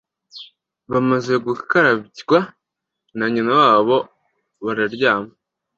Bamaze gukarabywa na nyina wabo bararyama